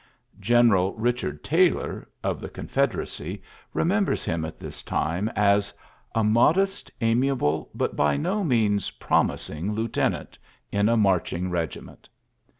Gten eral Bichard Taylor, of the Confederacy, ULYSSES S. GEANT 21 remembers him at this time as ^^a modest; amiable^ but by no means prom ising lieutenant in a marching regi ment.''